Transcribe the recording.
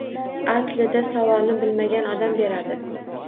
Aslida savolni bilmagan odam beradi.